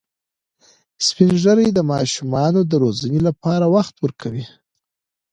سپین ږیری د ماشومانو د روزنې لپاره وخت ورکوي